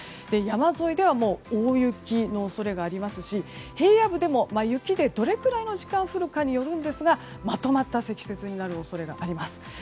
山沿いでは大雪の恐れがありますし平野部でも、雪がどれくらいの時間降るかによるんですがまとまった積雪になる恐れがあります。